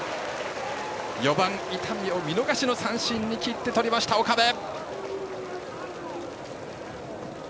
４番、伊丹を見逃し三振に切って取った岡部。